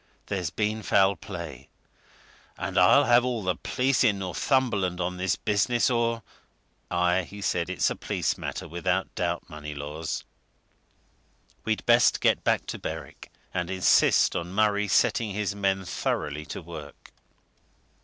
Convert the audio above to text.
"There's been foul play! And I'll have all the police in Northumberland on this business, or " "Aye!" he said, "it's a police matter, this, without doubt, Moneylaws. We'd best get back to Berwick, and insist on Murray setting his men thoroughly to work."